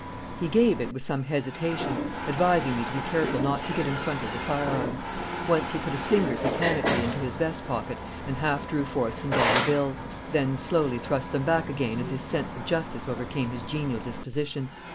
He gave it with some hesitation, advising me to be careful not to get in front of the firearms. Once he put his fingers mechanically into his vest pocket and half drew forth some dollar bills, then slowly thrust them back again as his sense of justice overcame his genial disposition.